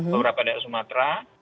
beberapa daerah sumatera